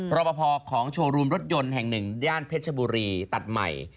รอปภของโชว์รูมรถยนต์แห่งหนึ่งย่านเพชรบุรีตัดใหม่